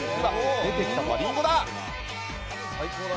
出てきたのはリンゴだ！